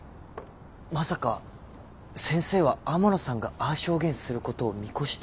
まさか先生は天野さんがああ証言することを見越して？